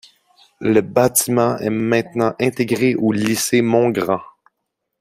Le bâtiment est maintenant intégré au lycée Montgrand.